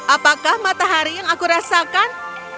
apakah matahari yang aku rasakan